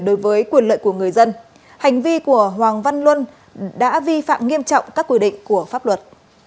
đối với quyền lợi của người dân hành vi của hoàng văn luân đã vi phạm nghiêm trọng các quy định của pháp luật